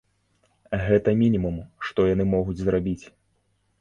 Гэта мінімум, што яны могуць зрабіць.